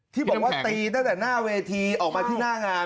ที่บอกว่าตีตั้งแต่หน้าเวทีออกมาที่หน้างาน